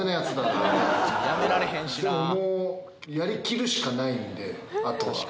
でももうやり切るしかないんであとは。